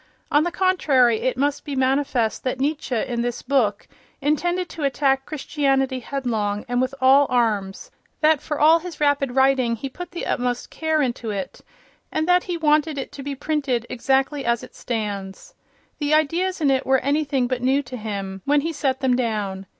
On the contrary, it must be manifest that Nietzsche, in this book, intended to attack Christianity headlong and with all arms, that for all his rapid writing he put the utmost care into it, and that he wanted it to be printed exactly as it stands. The ideas in it were anything but new to him when he set them down.